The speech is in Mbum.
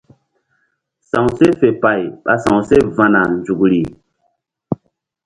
Sa̧wseh fe pay ɓa sa̧wseh va̧na nzukri.